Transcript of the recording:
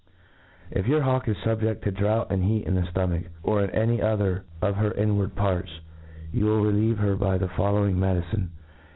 If your hawk is fubjed to drought and heat in the ftomach, or in any other of her inward parts, you will relieve her by the following me ' dicine.